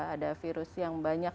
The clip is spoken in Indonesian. ada virus yang banyak